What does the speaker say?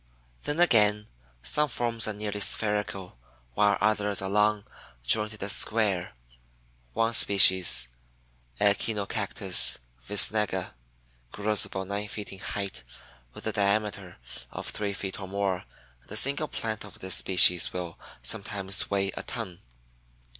Then again some forms are nearly spherical, while others are long, jointed, and square, one species (Echinocactus visnaga) grows about nine feet in height with a diameter of three feet or more and a single plant of this species will sometimes weigh a ton.